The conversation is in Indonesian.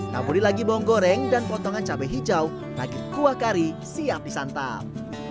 tamuri lagi bawang goreng dan potongan cabai hijau ragit kuah kari siap disantap